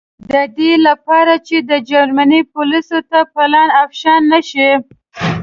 د دې له پاره چې د جرمني پولیسو ته پلان افشا نه شي.